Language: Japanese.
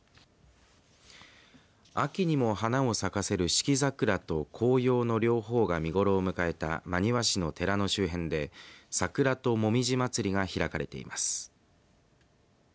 秋にも花を咲かせる四季桜と紅葉の両方が見頃を迎えた真庭市の寺の周辺で桜と紅葉まつりが開かれています。